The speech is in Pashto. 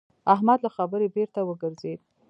احمد له خبرې بېرته وګرځېد.